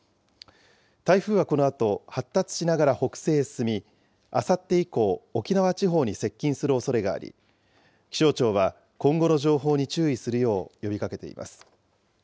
台風はこのあと、発達しながら北西へ進み、あさって以降、沖縄地方に接近するおそれがあり、気象庁は、今後の情報に注意するよう呼びかけています。